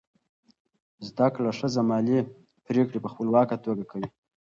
زده کړه ښځه مالي پریکړې په خپلواکه توګه کوي.